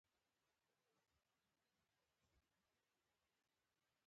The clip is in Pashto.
ایران یو لرغونی او تاریخي هیواد دی.